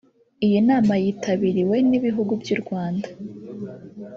Iyi nama yitabiriwe n’ibihugu by’u Rwanda